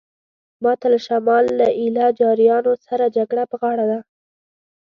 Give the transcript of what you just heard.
ماته له شمال له ایله جاریانو سره جګړه په غاړه ده.